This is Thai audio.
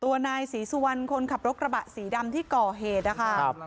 นายศรีสุวรรณคนขับรถกระบะสีดำที่ก่อเหตุนะคะ